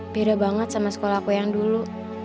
beda banget sama sekolah aku yang dulu